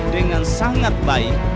dengan sangat baik